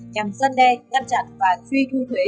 nhằm dân đe ngăn chặn và truy thu thuế